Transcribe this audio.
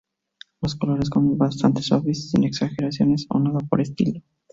Los colores son bastante suaves, sin exageraciones o nada por el estilo.